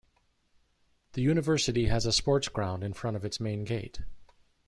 The university has a sports ground in front of its main gate.